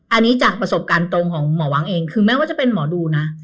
อันนี้จากประสบการณ์ตรงของหมอว้างเองคือแม้ว่าจะเป็นหมอดูนะ